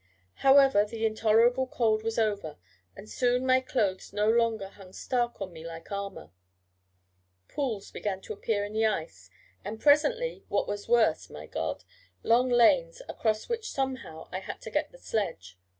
However, the intolerable cold was over, and soon my clothes no longer hung stark on me like armour. Pools began to appear in the ice, and presently, what was worse, my God, long lanes, across which, somehow, I had to get the sledge.